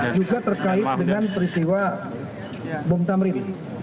juga terkait dengan peristiwa bom tamrin